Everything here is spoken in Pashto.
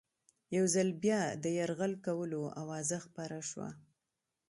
یو ځل بیا د یرغل کولو آوازه خپره شوه.